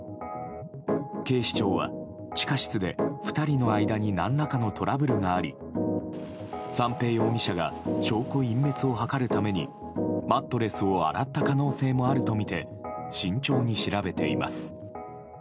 警視庁は、地下室で２人の間に何らかのトラブルがあり三瓶容疑者が証拠隠滅を図るためにマットレスを洗った可能性もあるとみて慎重に調べています。